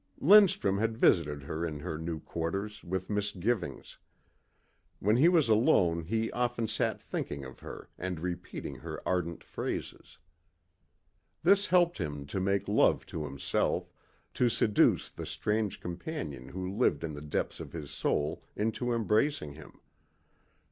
Lindstrum had visited her in her new quarters with misgivings. When he was alone he often sat thinking of her and repeating her ardent phrases. This helped him to make love to himself, to seduce the strange companion who lived in the depths of his soul into embracing him.